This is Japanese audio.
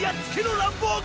ランボーグ！